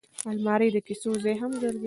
الماري د کیسو ځای هم ګرځي